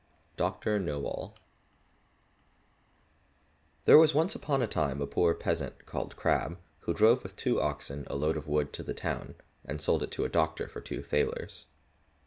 98 Doctor Knowall There was once on a time a poor peasant called Crabb, who drove with two oxen a load of wood to the town, and sold it to a doctor for two thalers.